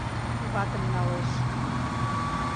Ватым налеш.